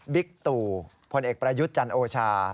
บิ๊กตูพลเอกประยุทธ์จันทร์โอชา